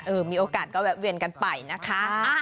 มีโอกาสก็แวะเวียนกันไปนะคะ